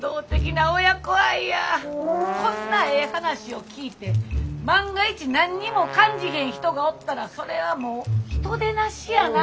こんなええ話を聞いて万が一何にも感じへん人がおったらそれはもう人でなしやな。